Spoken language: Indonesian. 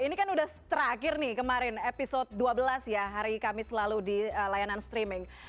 ini kan udah terakhir nih kemarin episode dua belas ya hari kamis lalu di layanan streaming